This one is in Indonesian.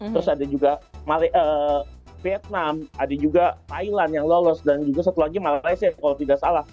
terus ada juga vietnam ada juga thailand yang lolos dan juga satu lagi malaysia kalau tidak salah